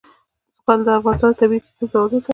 زغال د افغانستان د طبعي سیسټم توازن ساتي.